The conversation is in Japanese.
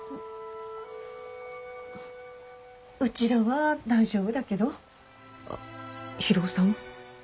うちらは大丈夫だけど博夫さんは？